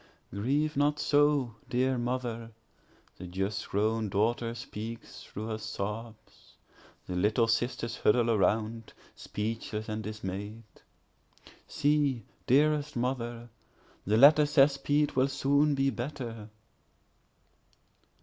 Grieve not so, dear mother, (the just grown daughter speaks through her sobs; The little sisters huddle around, speechless and dismay'd;)See, dearest mother, the letter says Pete will soon be better.